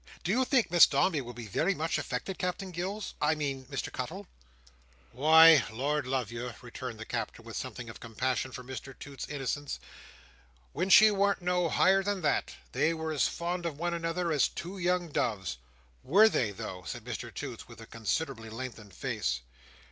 Do you think Miss Dombey will be very much affected, Captain Gills—I mean Mr Cuttle?" "Why, Lord love you," returned the Captain, with something of compassion for Mr Toots's innocence. "When she warn't no higher than that, they were as fond of one another as two young doves." "Were they though!" said Mr Toots, with a considerably lengthened face.